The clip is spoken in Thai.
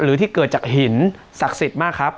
หรือที่เกิดจากหินศักดิ์สิทธิ์มากครับ